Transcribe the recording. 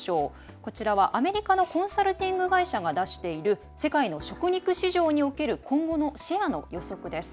こちらは、アメリカのコンサルティング会社が出している世界の食肉市場における今後のシェアの予測です。